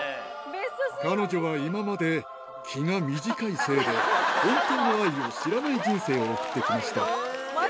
彼女は今まで、気が短いせいで、本当の愛を知らない人生を送ってきました。